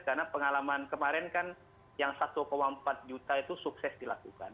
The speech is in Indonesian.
karena pengalaman kemarin kan yang satu empat juta itu sukses dilakukan